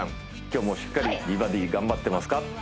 今日もしっかり美バディ頑張ってますか？